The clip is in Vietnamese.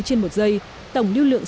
trên một giây tổng lưu lượng